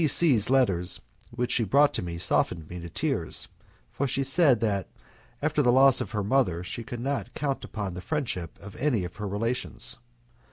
C C 's letters which she brought to me softened me to tears, for she said that after the loss of her mother she could not count upon the friendship of any of her relations.